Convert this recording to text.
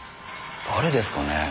誰ですかね？